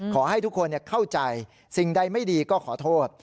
ขอให้ทุกคนเข้าใจสิ่งใดไม่ดีก็ขอโทษ